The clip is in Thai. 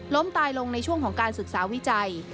ตายลงในช่วงของการศึกษาวิจัย